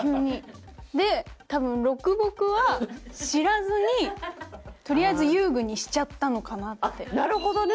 で多分「ろくぼく」は知らずにとりあえず遊具にしちゃったのかなって。なるほどね。